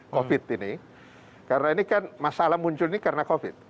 covid ini karena ini kan masalah muncul ini karena covid